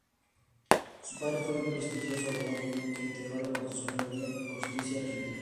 Su padre fue un prestigioso abogado que integró la Corte Suprema de Justicia argentina.